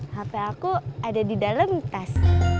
hp aku ada di dalam tas